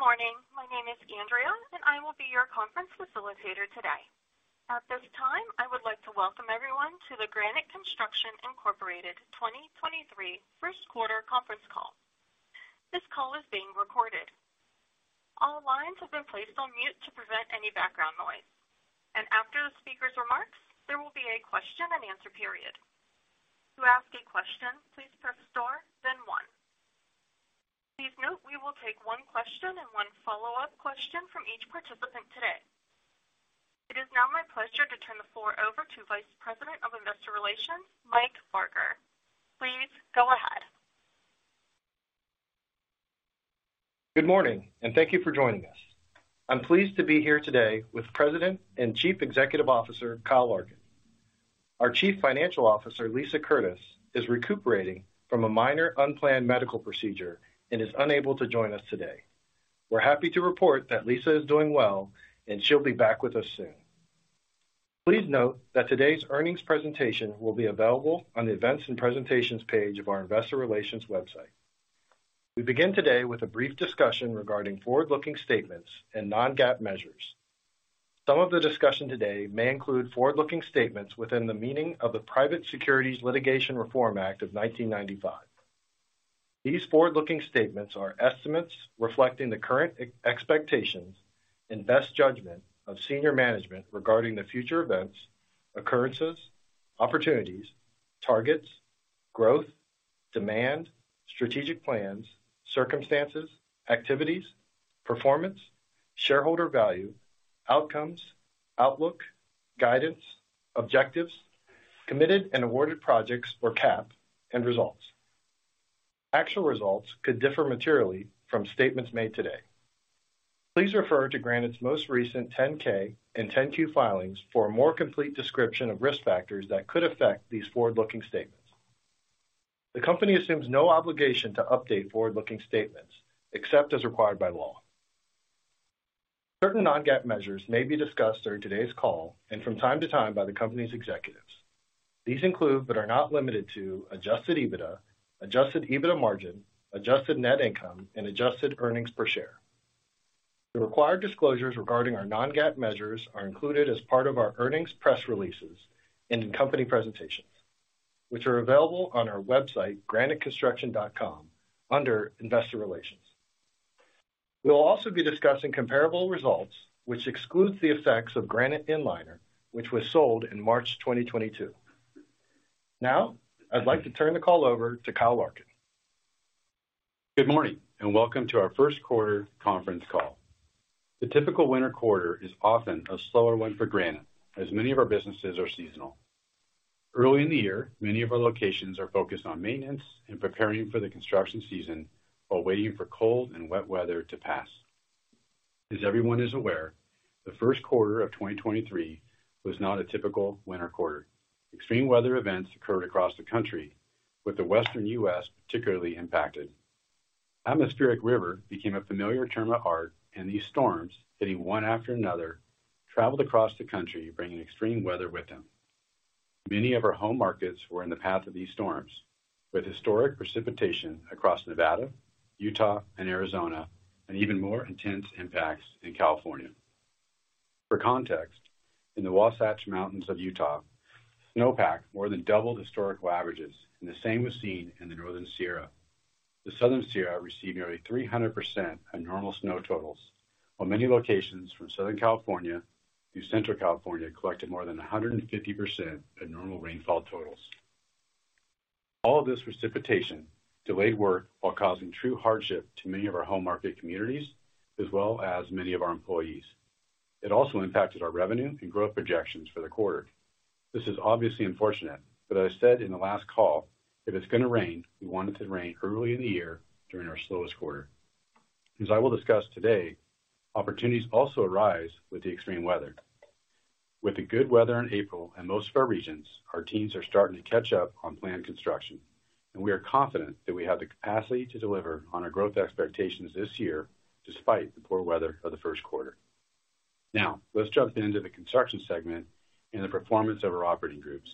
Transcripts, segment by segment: Good morning. My name is Andrea, I will be your conference facilitator today. At this time, I would like to welcome everyone to the Granite Construction Incorporated 2023 first quarter conference call. This call is being recorded. All lines have been placed on mute to prevent any background noise. After the speaker's remarks, there will be a question and answer period. To ask a question, please press Star, then 1. Please note we will take 1 question and 1 follow-up question from each participant today. It is now my pleasure to turn the floor over to Vice President of Investor Relations, Mike Barker. Please go ahead. Good morning, and thank you for joining us. I'm pleased to be here today with President and Chief Executive Officer, Kyle Larkin. Our Chief Financial Officer, Lisa Curtis, is recuperating from a minor unplanned medical procedure and is unable to join us today. We're happy to report that Lisa is doing well, and she'll be back with us soon. Please note that today's earnings presentation will be available on the Events and Presentations page of our Investor Relations website. We begin today with a brief discussion regarding forward-looking statements and non-GAAP measures. Some of the discussion today may include forward-looking statements within the meaning of the Private Securities Litigation Reform Act of 1995. These forward-looking statements are estimates reflecting the current expectations and best judgment of senior management regarding the future events, occurrences, opportunities, targets, growth, demand, strategic plans, circumstances, activities, performance, shareholder value, outcomes, outlook, guidance, objectives, committed and awarded projects or CAP, and results. Actual results could differ materially from statements made today. Please refer to Granite's most recent 10-K and 10-Q filings for a more complete description of risk factors that could affect these forward-looking statements. The company assumes no obligation to update forward-looking statements except as required by law. Certain non-GAAP measures may be discussed during today's call and from time to time by the company's executives. These include, but are not limited to adjusted EBITDA, adjusted EBITDA margin, adjusted net income, and adjusted earnings per share. The required disclosures regarding our non-GAAP measures are included as part of our earnings press releases and in company presentations, which are available on our website, graniteconstruction.com, under Investor Relations. We will also be discussing comparable results, which excludes the effects of Granite Inliner, which was sold in March 2022. Now I'd like to turn the call over to Kyle Larkin. Good morning, welcome to our first quarter conference call. The typical winter quarter is often a slower one for Granite, as many of our businesses are seasonal. Early in the year many of our locations are focused on maintenance and preparing for the construction season while waiting for cold and wet weather to pass. As everyone is aware the first quarter of 2023 was not a typical winter quarter. Extreme weather events occurred across the country, with the Western U.S. particularly impacted. Atmospheric river became a familiar term of art, and these storms, hitting one after another, traveled across the country, bringing extreme weather with them. Many of our home markets were in the path of these storms, with historic precipitation across Nevada, Utah, and Arizona, and even more intense impacts in California. For context, in the Wasatch Mountains of Utah, snowpack more than doubled historical averages, and the same was seen in the Northern Sierra. The Southern Sierra received nearly 300% abnormal snow totals, while many locations from Southern California through Central California collected more than 150% abnormal rainfall totals. All of this precipitation delayed work while causing true hardship to many of our home market communities as well as many of our employees. It also impacted our revenue and growth projections for the quarter. This is obviously unfortunate, but I said in the last call, if it's gonna rain, we want it to rain early in the year during our slowest quarter. As I will discuss today, opportunities also arise with the extreme weather. With the good weather in April in most of our regions, our teams are starting to catch up on planned construction, and we are confident that we have the capacity to deliver on our growth expectations this year despite the poor weather of the first quarter. Let's jump into the construction segment and the performance of our operating groups.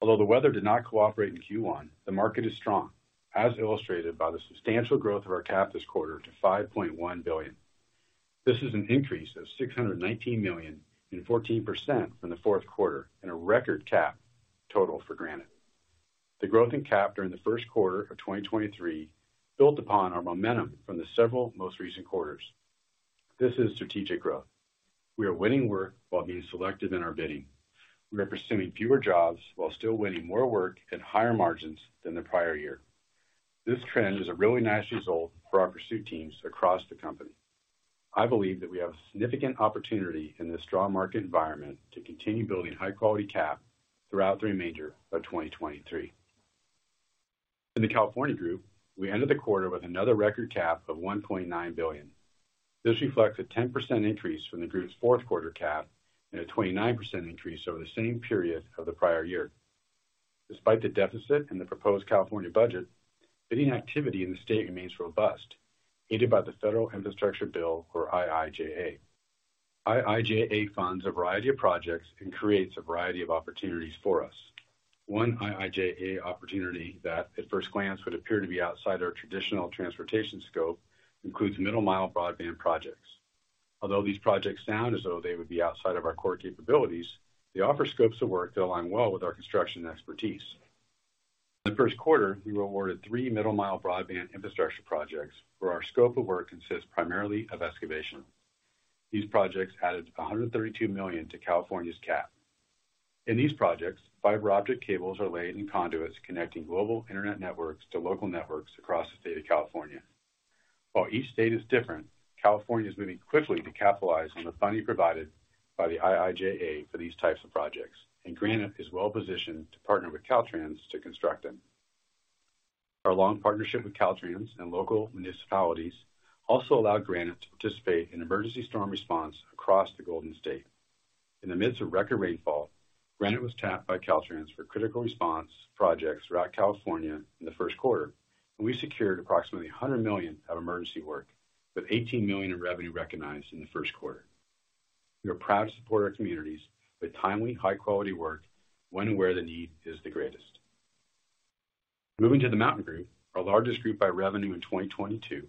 Although the weather did not cooperate in Q1, the market is strong, as illustrated by the substantial growth of our CAP this quarter to $5.1 billion. This is an increase of $619 million and 14% from the fourth quarter and a record CAP total for Granite. The growth in CAP during the first quarter of 2023 built upon our momentum from the several most recent quarters. This is strategic growth. We are winning work while being selective in our bidding. We are pursuing fewer jobs while still winning more work at higher margins than the prior year. This trend is a really nice result for our pursuit teams across the company. I believe that we have significant opportunity in this strong market environment to continue building high-quality CAP throughout the remainder of 2023. In the California Group, we ended the quarter with another record CAP of $1.9 billion. This reflects a 10% increase from the group's fourth quarter CAP and a 29% increase over the same period of the prior year. Despite the deficit in the proposed California budget, bidding activity in the state remains robust, aided by the Federal Infrastructure Bill or IIJA. IIJA funds a variety of projects and creates a variety of opportunities for us. One IIJA opportunity that at first glance would appear to be outside our traditional transportation scope includes Middle Mile broadband projects. Although these projects sound as though they would be outside of our core capabilities, they offer scopes of work that align well with our construction expertise. In the first quarter, we were awarded three Middle Mile broadband infrastructure projects, where our scope of work consists primarily of excavation. These projects added $132 million to California's CAP. In these projects, fiber optic cables are laid in conduits connecting global internet networks to local networks across the state of California. While each state is different, California is moving quickly to capitalize on the funding provided by the IIJA for these types of projects, and Granite is well-positioned to partner with Caltrans to construct them. Our long partnership with Caltrans and local municipalities also allowed Granite to participate in emergency storm response across the Golden State. In the midst of record rainfall, Granite was tapped by Caltrans for critical response projects throughout California in the first quarter, and we secured approximately $100 million of emergency work, with $18 million in revenue recognized in the first quarter. We are proud to support our communities with timely, high quality work when and where the need is the greatest. Moving to the Mountain Group, our largest group by revenue in 2022,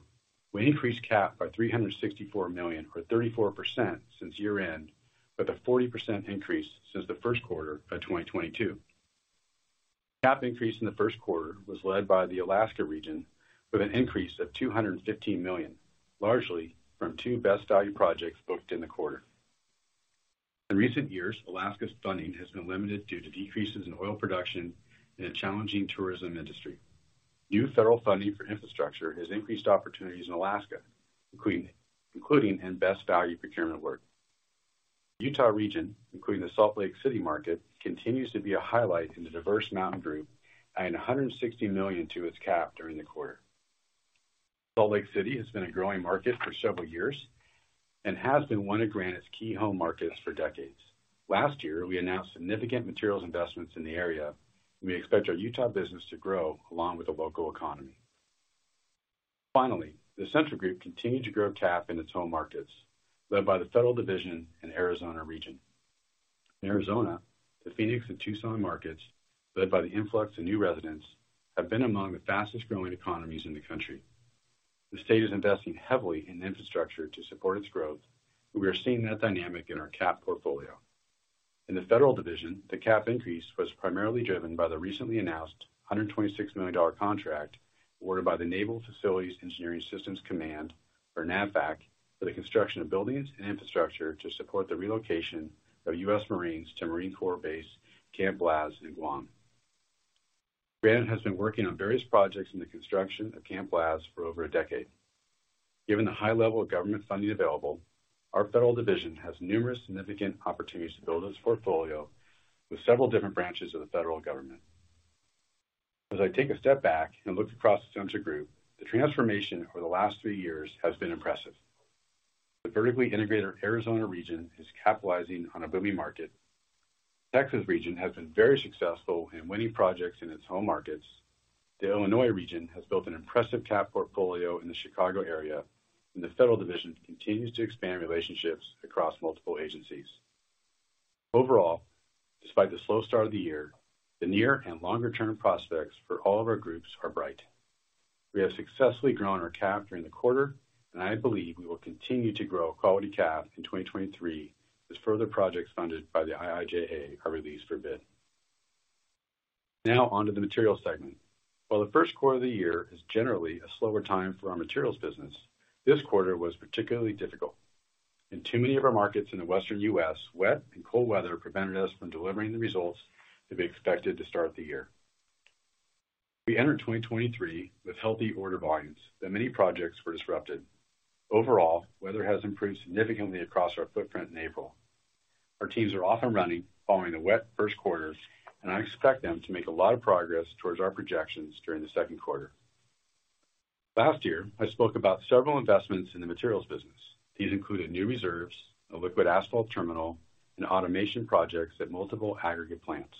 we increased CAP by $364 million or 34% since year-end, with a 40% increase since the first quarter of 2022. CAP increase in the first quarter was led by the Alaska region with an increase of $215 million, largely from two best value projects booked in the quarter. In recent years, Alaska's funding has been limited due to decreases in oil production and a challenging tourism industry. New federal funding for infrastructure has increased opportunities in Alaska, including in best value procurement work. The Utah region, including the Salt Lake City market, continues to be a highlight in the diverse Mountain Group, adding $160 million to its CAP during the quarter. Salt Lake City has been a growing market for several years and has been one of Granite's key home markets for decades. Last year, we announced significant materials investments in the area, and we expect our Utah business to grow along with the local economy. Finally, the Central Group continued to grow CAP in its home markets, led by the federal division and Arizona region. In Arizona, the Phoenix and Tucson markets, led by the influx of new residents, have been among the fastest-growing economies in the country. The state is investing heavily in infrastructure to support its growth, and we are seeing that dynamic in our CAP portfolio. In the federal division, the CAP increase was primarily driven by the recently announced $126 million contract awarded by the Naval Facilities Engineering Systems Command, or NAVFAC, for the construction of buildings and infrastructure to support the relocation of US Marines to Marine Corps Base Camp Blaz in Guam. Granite has been working on various projects in the construction of Camp Blaz for over a decade. Given the high level of government funding available, our federal division has numerous significant opportunities to build its portfolio with several different branches of the federal government. As I take a step back and look across the Central Group, the transformation over the last 3 years has been impressive. The vertically integrated Arizona region is capitalizing on a booming market. Texas region has been very successful in winning projects in its home markets. The Illinois region has built an impressive CAP portfolio in the Chicago area, and the federal division continues to expand relationships across multiple agencies. Overall, despite the slow start of the year, the near and longer-term prospects for all of our groups are bright. We have successfully grown our CAP during the quarter, and I believe we will continue to grow quality CAP in 2023 as further projects funded by the IIJA are released for bid. Now on to the materials segment. While the first quarter of the year is generally a slower time for our materials business, this quarter was particularly difficult. In too many of our markets in the Western U.S., wet and cold weather prevented us from delivering the results that we expected to start the year. We entered 2023 with healthy order volumes, and many projects were disrupted. Overall, weather has improved significantly across our footprint in April. Our teams are off and running following the wet first quarters, and I expect them to make a lot of progress towards our projections during the second quarter. Last year, I spoke about several investments in the materials business. These included new reserves, a liquid asphalt terminal, and automation projects at multiple aggregate plants.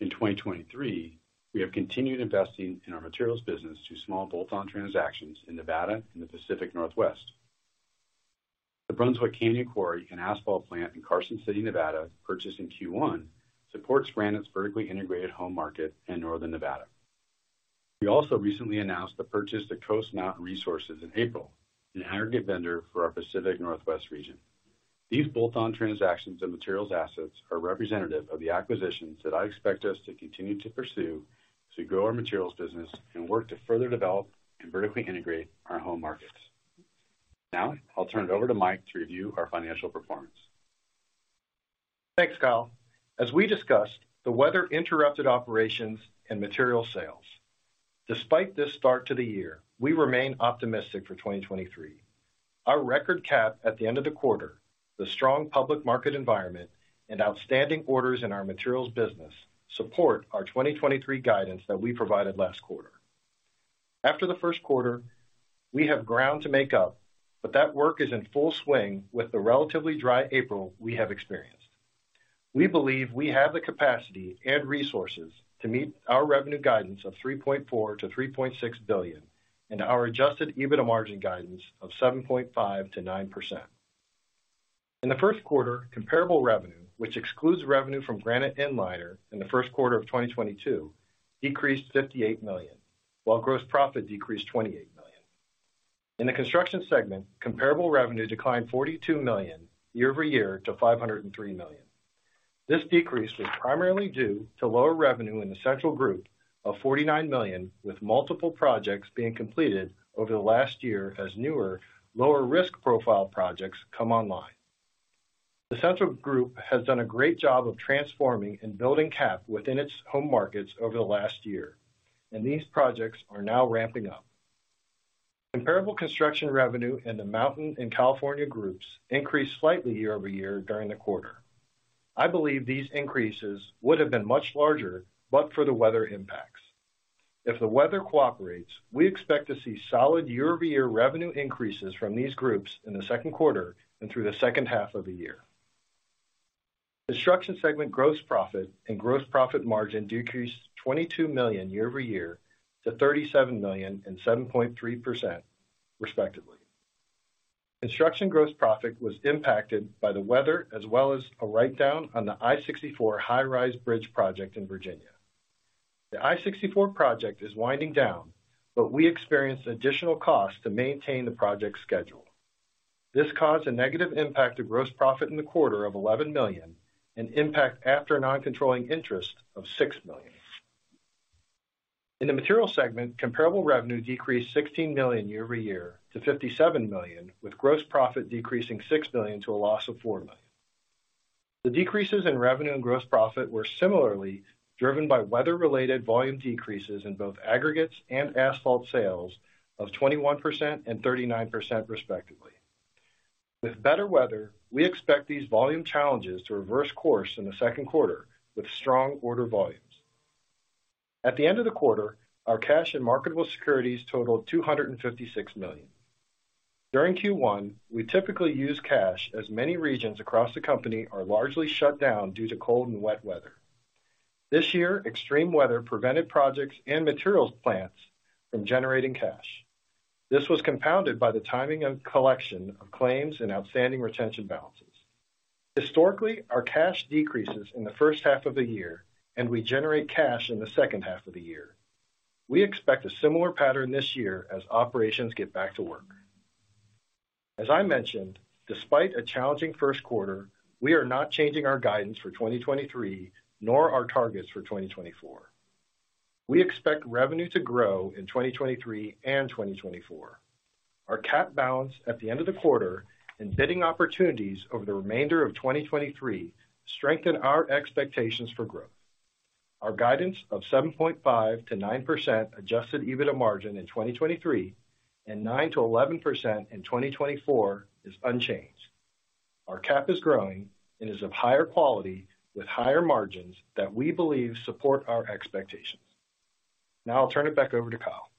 In 2023, we have continued investing in our materials business through small bolt-on transactions in Nevada and the Pacific Northwest. The Brunswick Canyon Quarry, an asphalt plant in Carson City, Nevada, purchased in Q1, supports Granite's vertically integrated home market in northern Nevada. We also recently announced the purchase of Coast Mountain Resources in April, an aggregate vendor for our Pacific Northwest region. These bolt-on transactions and materials assets are representative of the acquisitions that I expect us to continue to pursue to grow our materials business and work to further develop and vertically integrate our home markets. Now, I'll turn it over to Mike to review our financial performance. Thanks, Kyle. As we discussed, the weather interrupted operations and material sales. Despite this start to the year, we remain optimistic for 2023. Our record CAP at the end of the quarter, the strong public market environment, and outstanding orders in our materials business support our 2023 guidance that we provided last quarter. After the first quarter, we have ground to make up, but that work is in full swing with the relatively dry April we have experienced. We believe we have the capacity and resources to meet our revenue guidance of $3.4 billion-$3.6 billion and our adjusted EBITDA margin guidance of 7.5%-9%. In the first quarter, comparable revenue, which excludes revenue from Granite Inliner in the first quarter of 2022, decreased $58 million, while gross profit decreased $28 million. In the construction segment, comparable revenue declined $42 million year-over-year to $503 million. This decrease was primarily due to lower revenue in the Central Group of $49 million, with multiple projects being completed over the last year as newer, lower risk profile projects come online. The Central Group has done a great job of transforming and building CAP within its home markets over the last year. These projects are now ramping up. Comparable construction revenue in the Mountain and California Groups increased slightly year-over-year during the quarter. I believe these increases would have been much larger, but for the weather impacts. If the weather cooperates, we expect to see solid year-over-year revenue increases from these groups in the second quarter and through the second half of the year. Construction segment gross profit and gross profit margin decreased $22 million year-over-year to $37 million and 7.3% respectively. Construction gross profit was impacted by the weather as well as a write-down on the I-64 High Rise Bridge project in Virginia. The I-64 project is winding down, we experienced additional costs to maintain the project's schedule. This caused a negative impact to gross profit in the quarter of $11 million and impact after non-controlling interest of $6 million. In the material segment, comparable revenue decreased $16 million year-over-year to $57 million, with gross profit decreasing $6 million to a loss of $4 million. The decreases in revenue and gross profit were similarly driven by weather-related volume decreases in both aggregates and asphalt sales of 21% and 39% respectively. With better weather, we expect these volume challenges to reverse course in the second quarter with strong order volumes. At the end of the quarter, our cash and marketable securities totaled $256 million. During Q1, we typically use cash as many regions across the company are largely shut down due to cold and wet weather. This year, extreme weather prevented projects and materials plants from generating cash. This was compounded by the timing of collection of claims and outstanding retention balances. Historically, our cash decreases in the first half of the year, and we generate cash in the second half of the year. We expect a similar pattern this year as operations get back to work. As I mentioned, despite a challenging first quarter, we are not changing our guidance for 2023, nor our targets for 2024. We expect revenue to grow in 2023 and 2024. Our CAP balance at the end of the quarter and bidding opportunities over the remainder of 2023 strengthen our expectations for growth. Our guidance of 7.5%-9% adjusted EBITDA margin in 2023 and 9%-11% in 2024 is unchanged. Our CAP is growing and is of higher quality with higher margins that we believe support our expectations. I'll turn it back over to Kyle.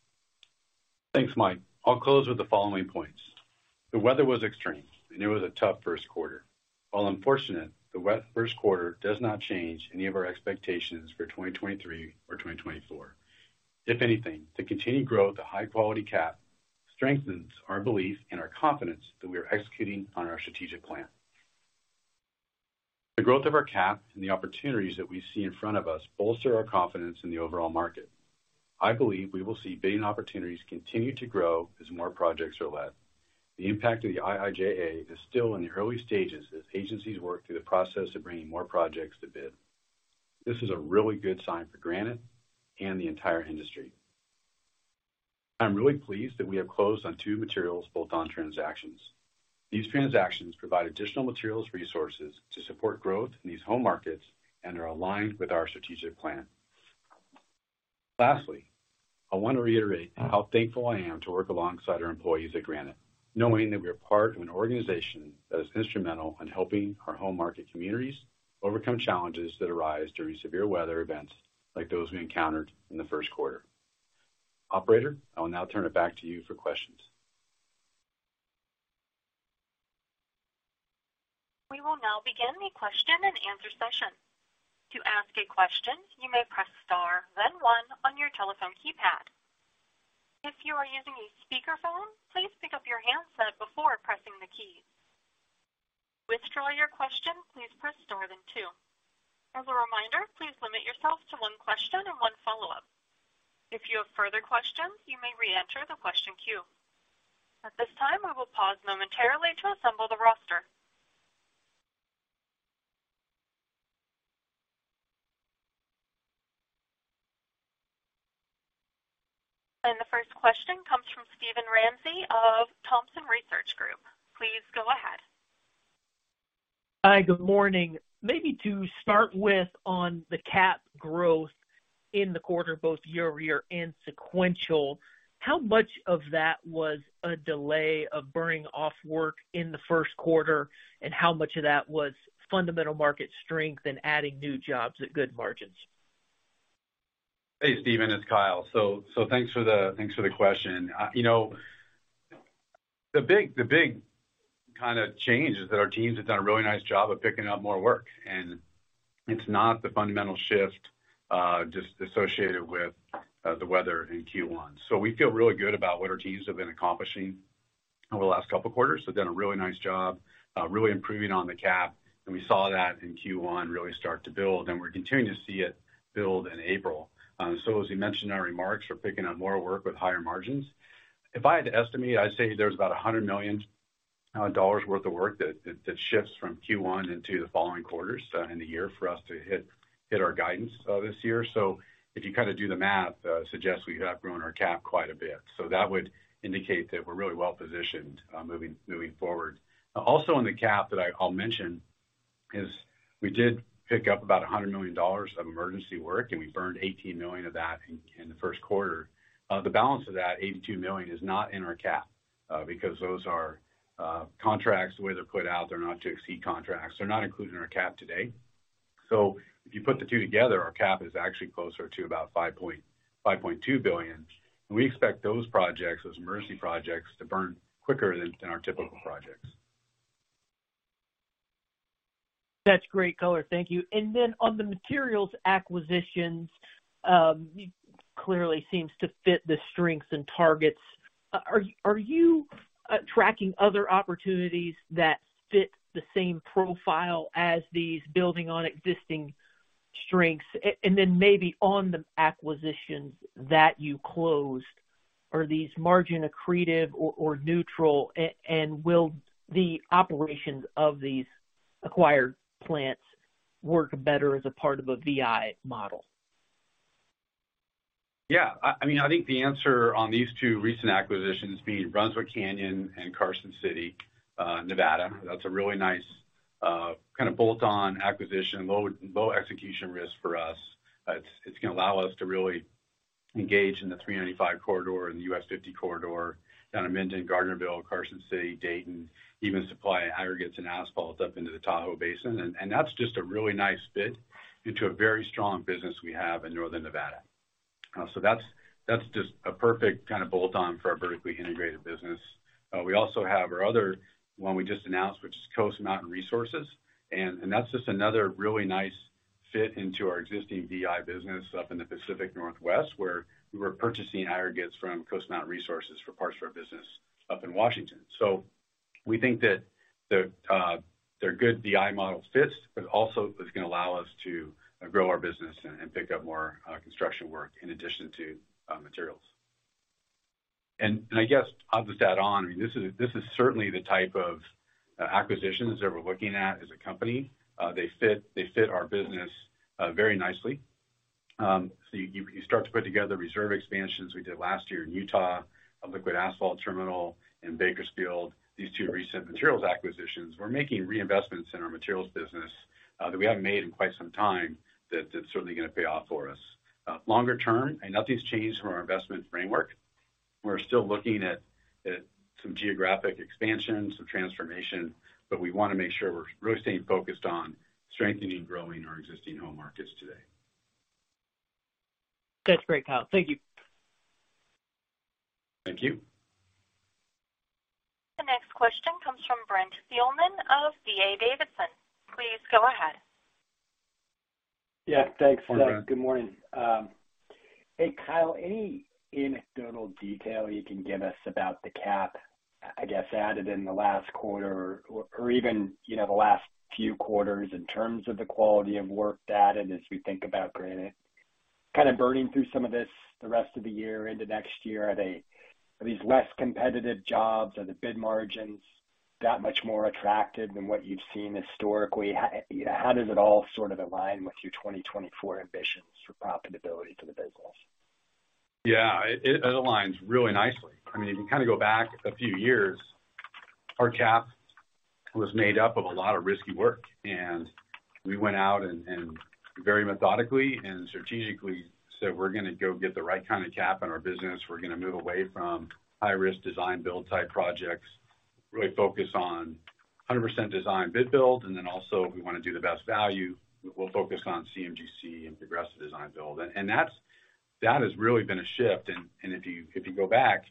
Thanks, Mike. I'll close with the following points. The weather was extreme, and it was a tough first quarter. While unfortunate, the wet first quarter does not change any of our expectations for 2023 or 2024. If anything, the continued growth of high-quality CAP strengthens our belief and our confidence that we are executing on our strategic plan. The growth of our CAP and the opportunities that we see in front of us bolster our confidence in the overall market. I believe we will see bidding opportunities continue to grow as more projects are led. The impact of the IIJA is still in the early stages as agencies work through the process of bringing more projects to bid. This is a really good sign for Granite and the entire industry. I'm really pleased that we have closed on two materials bolt-on transactions. These transactions provide additional materials resources to support growth in these home markets and are aligned with our strategic plan. Lastly, I want to reiterate how thankful I am to work alongside our employees at Granite, knowing that we are part of an organization that is instrumental in helping our home market communities overcome challenges that arise during severe weather events like those we encountered in the first quarter. Operator, I will now turn it back to you for questions. We will now begin the question and answer session. To ask a question, you may press star then one on your telephone keypad. If you are using a speakerphone, please pick up your handset before pressing the keys. To withdraw your question, please press star then two. As a reminder, please limit yourself to one question and one follow-up. If you have further questions, you may reenter the question queue. At this time, we will pause momentarily to assemble the roster. The first question comes from Steven Ramsey of Thompson Research Group. Please go ahead. Hi. Good morning. Maybe to start with on the CAP growth in the quarter, both year-over-year and sequential, how much of that was a delay of burning off work in the first quarter, and how much of that was fundamental market strength and adding new jobs at good margins? Hey, Steven, it's Kyle. Thanks for the question. You know, the big kinda change is that our teams have done a really nice job of picking up more work, and it's not the fundamental shift just associated with the weather in Q1. We feel really good about what our teams have been accomplishing over the last couple quarters. They've done a really nice job really improving on the CAP, and we saw that in Q1 really start to build, and we're continuing to see it build in April. As we mentioned in our remarks, we are picking up more work with higher margins. If I had to estimate, I'd say there's about $100 million worth of work that shifts from Q1 into the following quarters in the year for us to hit our guidance this year. If you kinda do the math, suggests we have grown our CAP quite a bit. That would indicate that we are really well-positioned moving forward. Also in the CAP that I'll mention is we did pick up about $100 million of emergency work, and we burned $18 million of that in the first quarter. The balance of that, $82 million is not in our CAP because those are contracts, the way they are put out, they are not to exceed contracts. They are not included in our CAP today. If you put the two together, our CAP is actually closer to about $5.2 billion. We expect those projects, those emergency projects, to burn quicker than our typical projects. That is great color. Thank you. On the materials acquisitions, clearly seems to fit the strengths and targets. Are you tracking other opportunities that fit the same profile as these building on existing strengths? Maybe on the acquisitions that you closed, are these margin accretive or neutral? Will the operations of these acquired plants work better as a part of a VI model? I mean, I think the answer on these two recent acquisitions being Brunswick Canyon and Carson City, Nevada, that is a really nice kind of bolt-on acquisition, low execution risk for us. It is gonna allow us to really engage in the US 395 corridor and the US 50 corridor down in Minden, Gardnerville, Carson City, Dayton, even supply aggregates and asphalts up into the Tahoe Basin. And that's just a really nice fit into a very strong business we have in Northern Nevada. So that's just a perfect kind of bolt-on for our vertically integrated business. We also have our other one we just announced, which is Coast Mountain Resources. That's just another really nice fit into our existing VI business up in the Pacific Northwest, where we were purchasing aggregates from Coast Mountain Resources for parts of our business up in Washington. We think that the they are good VI model fits, but also it's gonna allow us to grow our business and pick up more construction work in addition to materials. And I guess to add to that on, I mean, this is certainly the type of acquisitions that we're looking at as a company. They fit our business very nicely. You start to put together reserve expansions we did last year in Utah, a liquid asphalt terminal in Bakersfield, these two recent materials acquisitions. We are making reinvestments in our materials business, that we haven't made in quite some time tha i's certainly gonna pay off for us longer term. Nothing's changed from our investment framework, we're still looking at some geographic expansion, some transformation, but we wanna make sure we are really staying focused on strengthening and growing our existing home markets today. That's great, Kyle. Thank you. Thank you. The next question comes from Brent Thielman of D.A. Davidson. Please go ahead. Yeah, thanks. Hi, Brent. Good morning. Hey, Kyle, any anecdotal detail you can give us about the CAP, I guess, added in the last quarter or even, you know, the last few quarters in terms of the quality of work added as we think about Granite? Kinda burning through some of this the rest of the year into next year, are these less competitive jobs? Are the bid margins that much more attractive than what you've seen historically? How, you know, how does it all sort of align with your 2024 ambitions for profitability to the business? Yeah. It aligns really nicely. I mean, if you kinda go back a few years, our cap was made up of a lot of risky work. We went out and very methodically and strategically said, we are gonna go get the right kind of cap in our business. We are gonna move away from high-risk design-build type projects, really focus on 100% design-bid-build, and then also if we wanna do the best value, we will focus on CMGC and progressive design-build. That has really been a shift. If you go back,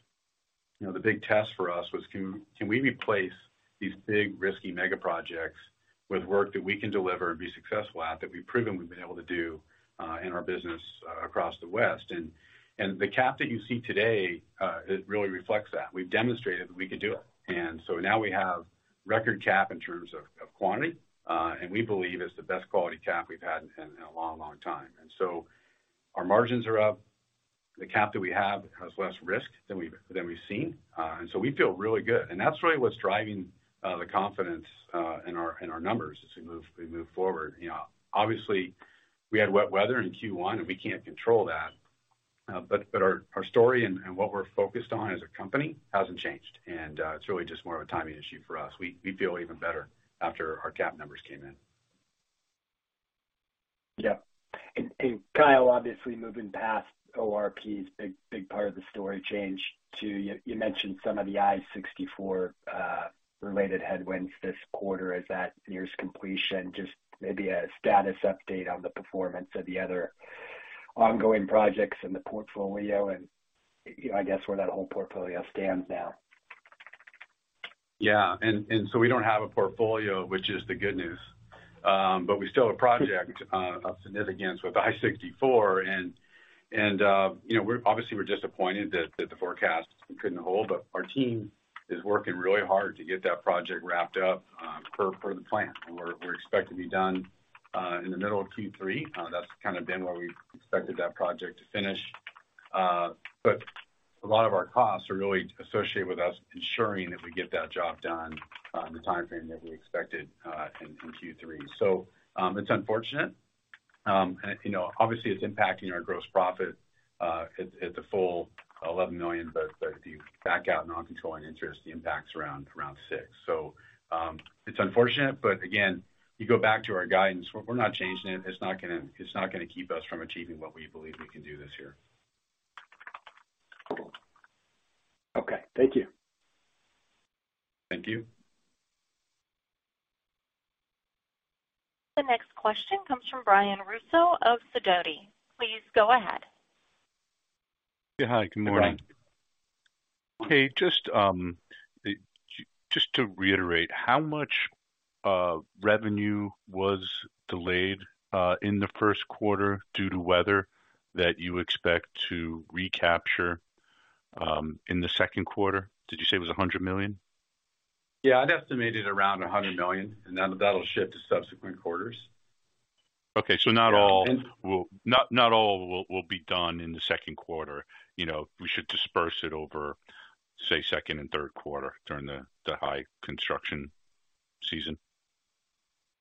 you know, the big test for us was can we replace these big risky mega projects with work that we can deliver and be successful at, that we have proven, been able to do in our business across the West? The cap that you see today really reflects that. We've demonstrated that we can do it. Now we have record cap in terms of quantity, and we believe it's the best quality cap we've had in a long, long time. Our margins are up. The cap that we have has less risk than we've seen. We feel really good. That's really what's driving the confidence in our numbers as we move forward. You know, obviously, we had wet weather in Q1, and we can't control that. But our story and what we are focused on as a company hasn't changed. It's really just more of a timing issue for us. We feel even better after our cap numbers came in. Yeah. Kyle, obviously moving past ORP's big part of the story change to you mentioned some of the I-64 related headwinds this quarter as that nears completion. Just maybe a status update on the performance of the other Ongoing projects in the portfolio and, I guess, where that whole portfolio stands now. Yeah. We don't have a portfolio, which is the good news. We still have a project of significance with I-64. You know, obviously, we are disappointed that the forecast couldn't hold, but our team is working really hard to get that project wrapped up per the plan. We are expected to be done in the middle of Q3. That's kinda been where we expected that project to finish. A lot of our costs are really associated with us ensuring that we get that job done in the timeframe that we expected in Q3. So It's unfortunate. You know, obviously it is impacting our gross profit at the full $11 million, but if you back out non-controlling interest, the impact's around $6 million. It is unfortunate, but again you go back to our guidance, we are not changing it. It is not gonna, it's not gonna keep us from achieving what we believe we can do this year. Okay. Thank you. Thank you. The next question comes from Brian Russo of Sidoti. Please go ahead. Yeah. Hi, good morning. Good morning. Hey, just to reiterate, how much revenue was delayed in the first quarter due to weather that you expect to recapture in the second quarter? Did you say it was $100 million? Yeah, I'd estimate it around $100 million. That, that'll shift to subsequent quarters. Okay. Not all will be done in the second quarter. You know, we should disperse it over, say, second and third quarter during the high construction season.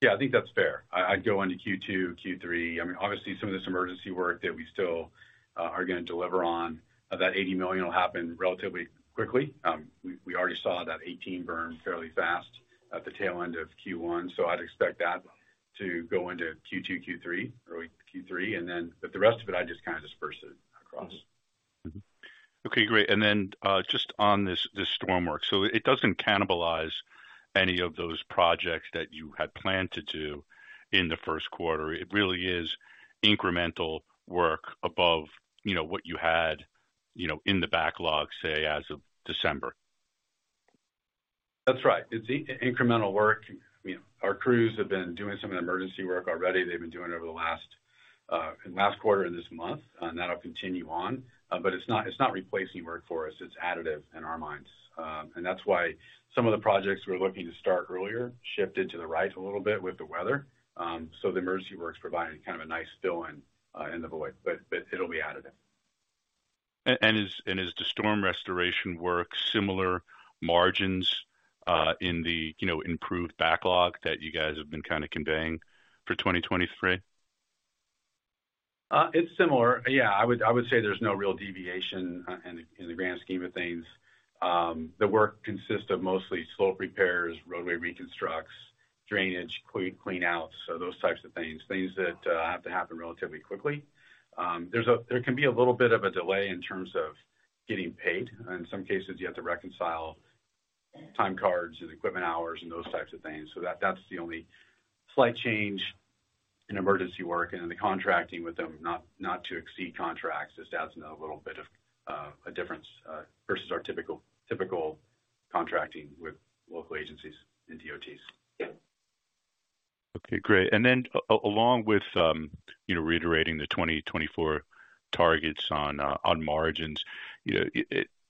Yeah, I think that is fair. I'd go into Q2, Q3. I mean, obviously, some of this emergency work that we still are gonna deliver on, that $80 million will happen relatively quickly. We already saw that $18 million burn fairly fast at the tail end of Q1, so I'd expect that one to go into Q2, Q3, early Q3. The rest of it, I'd just kinda disperse it across. Mm-hmm. Okay, great. Then, just on this storm work. It doesn't cannibalize any of those projects that you had planned to do in the first quarter? It really is incremental work above, you know, what you had, you know, in the backlog, say, as of December. That's right. It's incremental work. You know, our crews have been doing some of the emergency work already. They have been doing it over the last last quarter and this month. That'll continue on. It's not replacing work for us, it's additive in our minds. That's why some of the projects we are looking to start earlier shifted to the right a little bit with the weather. The emergency work's providing kind of a nice fill-in in the void, but it'll be additive. Is the storm restoration work similar margins, in the, you know, improved backlog that you guys have been kinda conveying for 2023? It's similar. Yeah, I would say there's no real deviation in the grand scheme of things. The work consists of mostly slope repairs, roadway reconstructs, drainage clean outs, so those types of things that have to happen relatively quickly. There can be a little bit of a delay in terms of getting paid. In some cases, you have to reconcile time cards and equipment hours and those types of things. That's the only slight change in emergency work and in the contracting with them not to exceed contracts. This adds in a little bit of a difference versus our typical contracting with local agencies and DOTs. Okay, great. Along with, you know, reiterating the 2024 targets on margins, you know,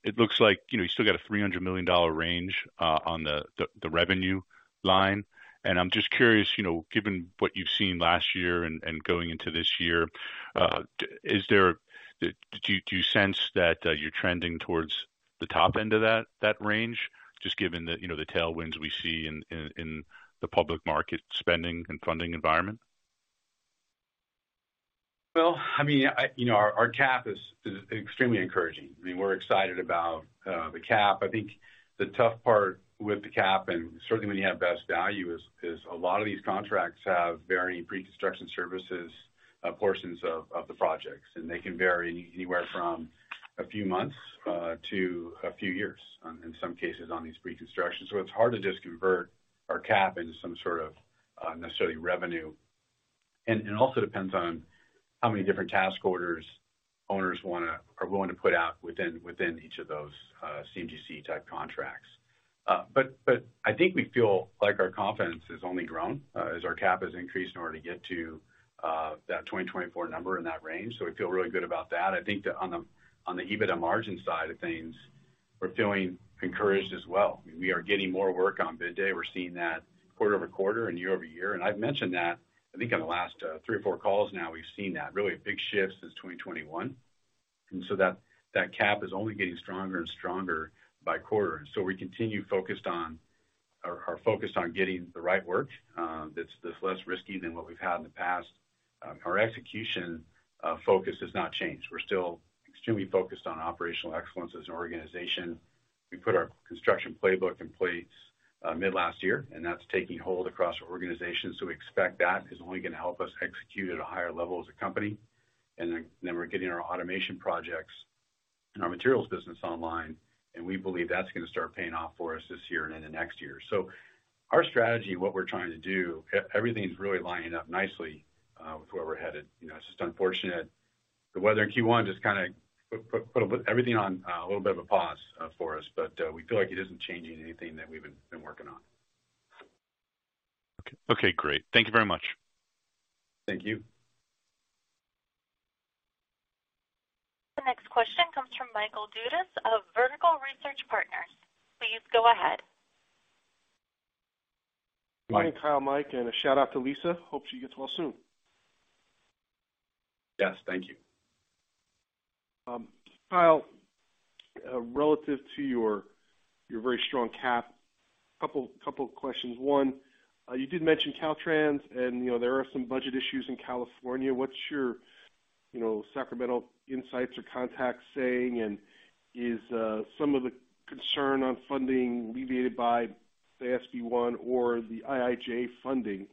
it looks like, you know, you still got a $300 million range on the revenue line. I am just curious, you know, given what you have seen last year and going into this year, do you sense that you are trending towards the top end of that range? Just given the, you know, the tailwinds we see in the public market spending and funding environment. I mean, I, you know, our CAP is extremely encouraging. I mean, we were excited about the CAP. I think the tough part with the CAP, and certainly when you have best value is a lot of these contracts have varying pre-construction services, portions of the projects, and they can vary anywhere from a few months to a few years in some cases on these pre-construction. It's hard to just convert our CAP into some sort of necessarily revenue. It also depends on how many different task orders owners are willing to put out within each of those, CMGC-type contracts. I think we feel like our confidence has only grown as our CAP has increased in order to get to that 2024 number in that range. We feel really good about that. I think on the EBITDA margin side of things, we're feeling encouraged as well. We are getting more work on bid day. We're seeing that quarter-over-quarter and year-over-year. I've mentioned that, I think, on the last 3 or 4 calls now, we've seen that really big shift since 2021. That CAP is only getting stronger and stronger by quarter. We are focused on getting the right work, that's less risky than what we've had in the past. Our execution focus has not changed. We are still extremely focused on operational excellence as an organization. We put our construction playbook in place mid last year, and that's taking hold across our organization. We expect that is only gonna help us execute at a higher level as a company. Then we were getting our automation projects in our materials business online, and we believe that's gonna start paying off for us this year and in the next year. Our strategy, what we were trying to do, everything's really lining up nicely with where we're headed. You know, it's just unfortunate the weather in Q1 just kinda put everything on a little bit of a pause for us. We feel like it isn't changing anything that we have been working on. Okay, great. Thank you very much. Thank you. The next question comes from Michael Dudas of Vertical Research Partners. Please go ahead. Morning, Kyle, Mike, and a shout out to Lisa. Hope she gets well soon. Yes, thank you. Kyle, relative to your very strong CAP, a couple of questions. One, you did mention Caltrans, and, you know, there are some budget issues in California. What is your, you know, Sacramento insights or contacts saying? Is some of the concern on funding alleviated by the SB 1 or the IIJA funding?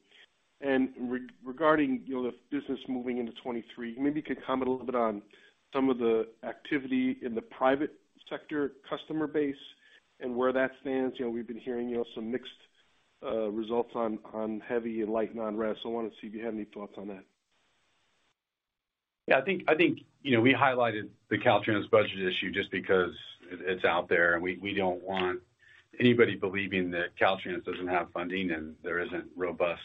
Regarding the business moving into 2023, maybe you could comment a little bit on some of the activity in the private sector customer base and where that stands. You know, we have been hearing, you know, some mixed results on heavy and light non-res. I wanted to see if you had any thoughts on that. I think, you know, we highlighted the Caltrans budget issue just because it's out there, and we don't want anybody believing that Caltrans doesn't have funding and there isn't robust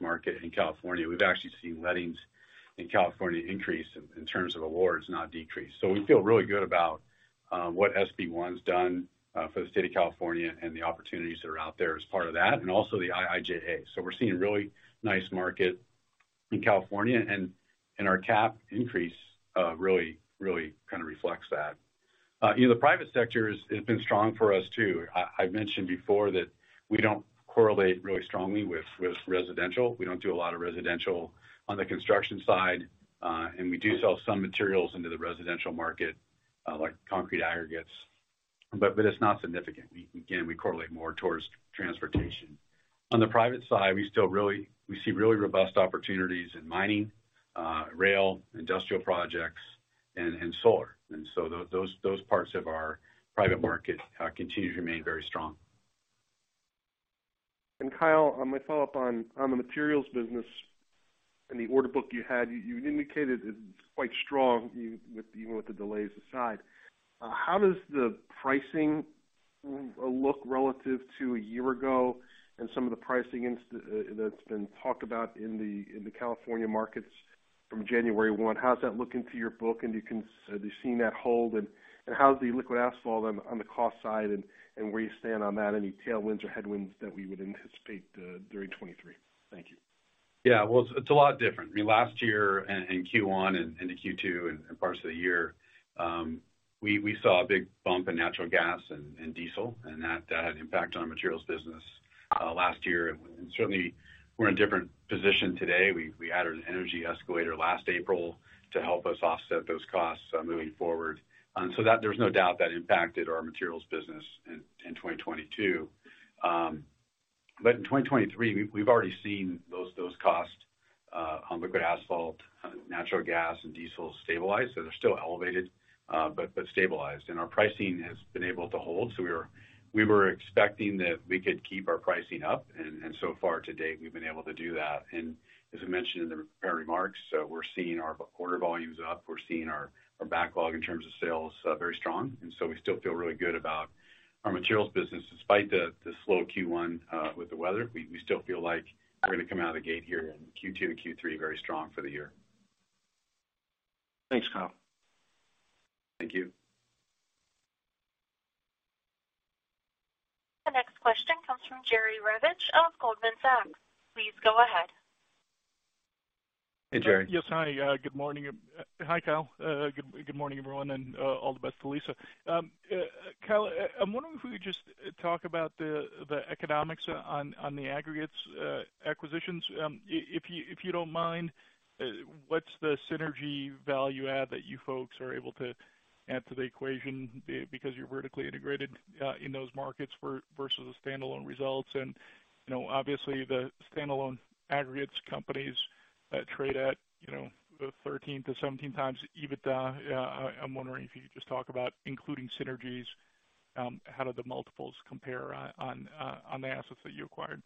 market in California. We've actually seen lettings in California increase in terms of awards, not decrease. We feel really good about what SB 1's done for the state of California and the opportunities that are out there as part of that, and also the IIJA. We're seeing really nice market in California, and our CAP increase really kind of reflects that. You know, the private sector has been strong for us, too. I mentioned before that we don't correlate really strongly with residential. We don't do a lot of residential on the construction side, and we do sell some materials into the residential market, like concrete aggregates, but it is not significant. Again, we correlate more towards transportation. On the private side, we see really robust opportunities in mining, rail, industrial projects, and solar. Those parts of our private market continue to remain very strong. Kyle, I follow up on the materials business and the order book you had. You indicated it's quite strong even with the delays aside. How does the pricing look relative to a year ago and some of the pricing that's been talked about in the, in the California markets from January 1? How does that look into your book? Are you seeing that hold? How's the liquid asphalt on the cost side and where you stand on that? Any tailwinds or headwinds that we would anticipate during 2023? Thank you. Well, it's a lot different. I mean, last year in Q1 and into Q2 and parts of the year, we saw a big bump in natural gas and diesel, and that had impact on our materials business last year. Certainly we're in a different position today. We added an energy escalator last April to help us offset those costs moving forward. So there's no doubt that impacted our materials business in 2022. In 2023, we already seen those costs on liquid asphalt, natural gas, and diesel stabilize. They are still elevated, but stabilized. Our pricing has been able to hold. We were expecting that we could keep our pricing up. So far to date, we've been able to do that. As I mentioned in the prepared remarks, we're seeing our order volumes up. We are seeing our backlog in terms of sales, very strong. We still feel really good about our materials business. Despite the slow Q1, with the weather, we still feel like we're gonna come out of the gate here in Q2 and Q3 very strong for the year. Thanks, Kyle. Thank you. The next question comes from Jerry Revich of Goldman Sachs. Please go ahead. Hey, Jerry. Yes. Hi. Good morning. Hi, Kyle. Good morning, everyone, and all the best to Lisa. Kyle, I'm wondering if we could just talk about the economics on the aggregates acquisitions. If you don't mind, what's the synergy value add that you folks are able to add to the equation because you're vertically integrated in those markets versus the standalone results? You know, obviously the standalone aggregates companies that trade at, you know, 13 to 17 times EBITDA. I'm wondering if you could just talk about, including synergies, how do the multiples compare on the assets that you acquired?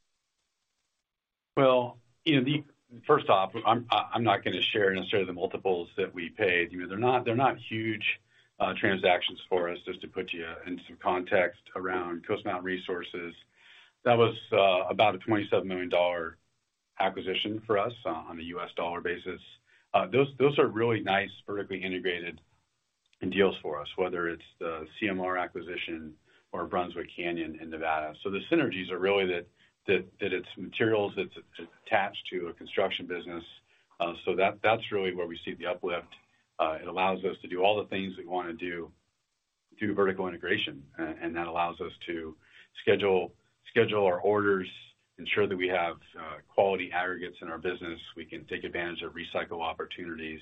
You know, First off, I'm not gonna share necessarily the multiples that we paid. You know, they are not, they are not huge transactions for us. Just to put you in some context around Coast Mountain Resources, that was about a $27 million acquisition for us on the US dollar basis. Those are really nice vertically integrated deals for us, whether it's the CMR acquisition or Brunswick Canyon in Nevada. That's really where we see the uplift. It allows us to do all the things we wanna do through vertical integration. That allows us to schedule our orders, ensure that we have quality aggregates in our business. We can take advantage of recycle opportunities.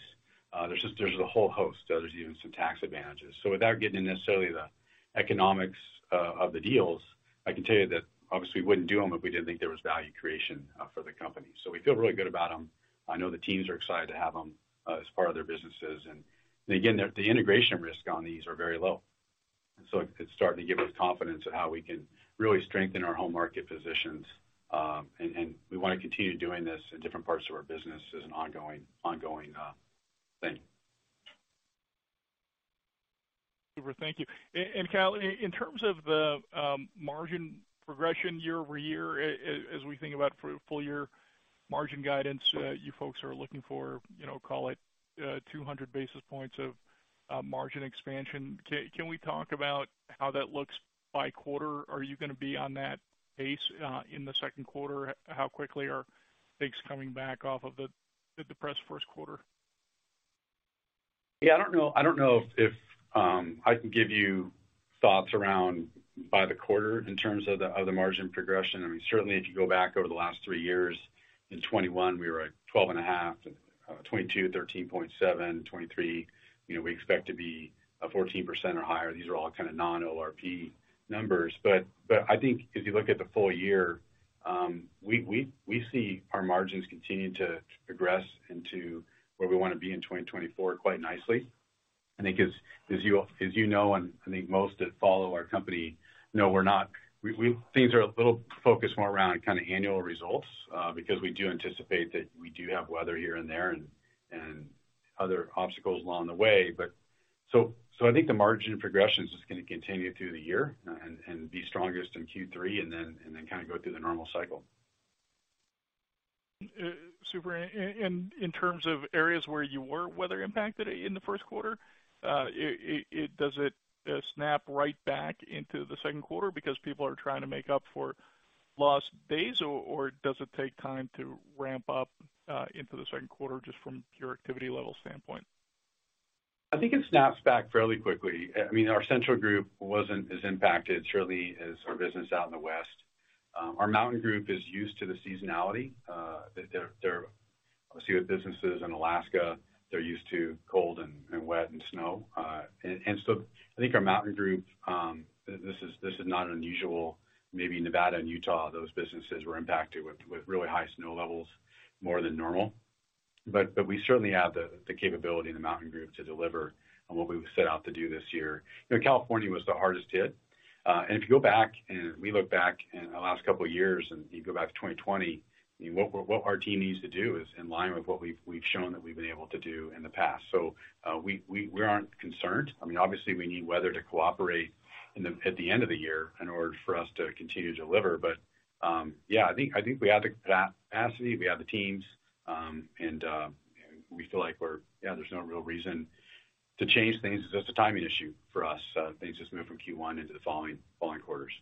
There is just a whole host. There's even some tax advantages. Without getting into necessarily the economics of the deals, I can tell you that obviously we wouldn't do them if we didn't think there was value creation for the company. We feel really good about them. I know the teams are excited to have them as part of their businesses. Again, the integration risk on these are very low. It's starting to give us confidence in how we can really strengthen our home market positions. We wanna continue doing this in different parts of our business as an ongoing thing. Super. Thank you. Kyle, in terms of the margin progression year-over-year, as we think about full year margin guidance, you folks are looking for, you know, call it, 200 basis points of margin expansion. Can we talk about how that looks by quarter? Are you gonna be on that pace in the second quarter? How quickly are things coming back off of the depressed first quarter? Yeah, I don't know, I don't know if I can give you thoughts around by the quarter in terms of the margin progression. I mean, certainly if you go back over the last 3 years, in 2021 we were at 12.5%, in 2022, 13.7%, 2023, you know, we expect to be 14% or higher. These are all kind of non-ORP numbers. I think if you look at the full year, we see our margins continuing to progress into where we wanna be in 2024 quite nicely. I think as you know, and I think most that follow our company know we're not... Things are a little focused more around kind of annual results, because we do anticipate that we do have weather here and there and other obstacles along the way. I think the margin progressions is gonna continue through the year, and be strongest in Q3 and then kind of go through the normal cycle. Super. In terms of areas where you were weather impacted in the first quarter, Does it snap right back into the second quarter because people are trying to make up for lost days, or does it take time to ramp up into the second quarter just from pure activity level standpoint? I think it snaps back fairly quickly. I mean, our Central Group wasn't as impacted surely as our business out in the west. Our Mountain Group is used to the seasonality. Obviously, with businesses in Alaska, they're used to cold and wet and snow. So I think our Mountain Group, this is not unusual. Maybe Nevada and Utah, those businesses were impacted with really high snow levels more than normal. We certainly have the capability in the Mountain Group to deliver on what we set out to do this year. You know, California Group was the hardest hit. If you go back and we look back in the last couple of years and you go back to 2020, I mean, what our team needs to do is in line with what we've shown that we've been able to do in the past. We aren't concerned. I mean, obviously we need weather to cooperate at the end of the year in order for us to continue to deliver. Yeah, I think we have the capacity, we have the teams, we feel like, Yeah, there's no real reason to change things. It's just a timing issue for us. Things just move from Q1 into the following quarters.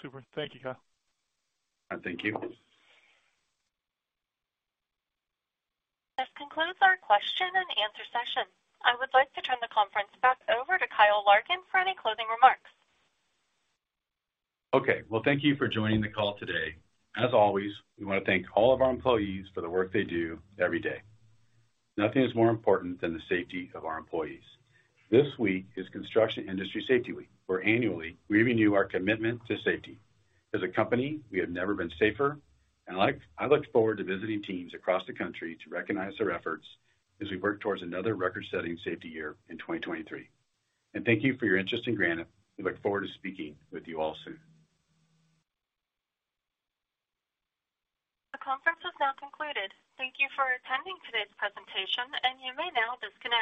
Super. Thank you, Kyle. All right. Thank you. This concludes our question and answer session. I would like to turn the conference back over to Kyle Larkin for any closing remarks. Okay. Well, thank you for joining the call today. As always, we wanna thank all of our employees for the work they do every day. Nothing is more important than the safety of our employees. This week is Construction Industry Safety Week, where annually we renew our commitment to safety. As a company, we have never been safer, I look forward to visiting teams across the country to recognize their efforts as we work towards another record-setting safety year in 2023. Thank you for your interest in Granite. We look forward to speaking with you all soon. The conference has now concluded. Thank you for attending today's presentation. You may now disconnect.